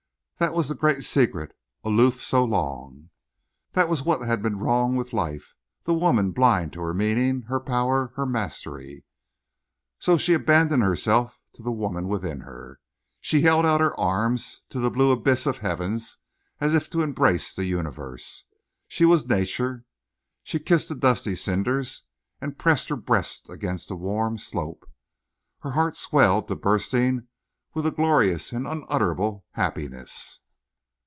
That was the great secret, aloof so long. That was what had been wrong with life—the woman blind to her meaning, her power, her mastery. So she abandoned herself to the woman within her. She held out her arms to the blue abyss of heaven as if to embrace the universe. She was Nature. She kissed the dusty cinders and pressed her breast against the warm slope. Her heart swelled to bursting with a glorious and unutterable happiness.